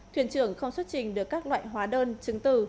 thuyền trưởng không xuất trình được các loại hóa đơn chứng từ